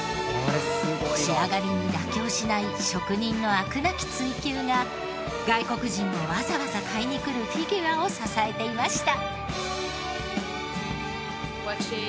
仕上がりに妥協しない職人の飽くなき追求が外国人もわざわざ買いに来るフィギュアを支えていました。